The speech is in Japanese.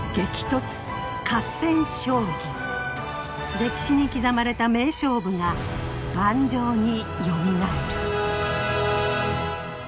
歴史に刻まれた名勝負が盤上によみがえる！